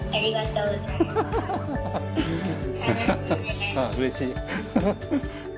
うれしい。